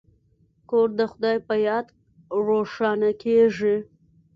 کور د خدای په یاد روښانه کیږي.